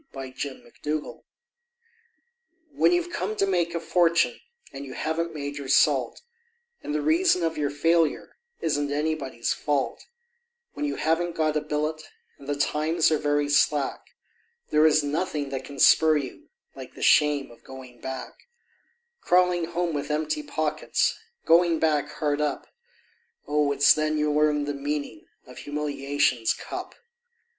The Shame of Going Back When you've come to make a fortune and you haven't made your salt, And the reason of your failure isn't anybody's fault When you haven't got a billet, and the times are very slack, There is nothing that can spur you like the shame of going back; Crawling home with empty pockets, Going back hard up; Oh! it's then you learn the meaning of humiliation's cup.